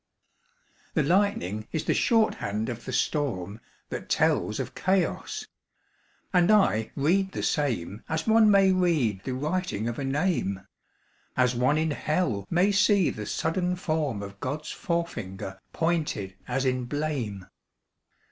The lightning is the shorthand of the storm That tells of chaos; and I read the same As one may read the writing of a name, As one in Hell may see the sudden form Of God's fore finger pointed as in blame.